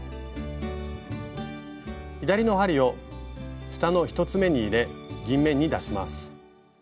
左の針を下の１つめに入れ銀面に出します。